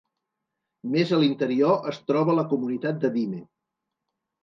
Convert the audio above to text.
Més a l'interior es troba la comunitat de Dime.